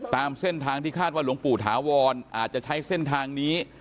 ตามเส้นทางที่คาดว่าหลวงปู่ถาวรอาจจะใช้เส้นทางนี้